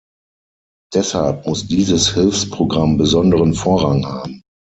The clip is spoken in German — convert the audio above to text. Deshalb muss dieses Hilfsprogramm besonderen Vorrang haben.